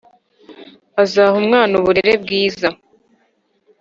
azaha umwana uburere bwiza